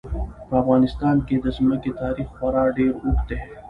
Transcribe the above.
په افغانستان کې د ځمکه تاریخ خورا ډېر اوږد دی.